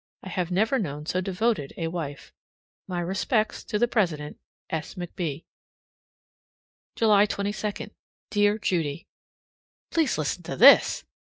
I have never known so devoted a wife. My respects to the president. S. McB. July 22. Dear Judy: Please listen to this!